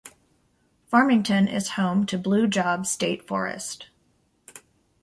Farmington is home to Blue Job State Forest.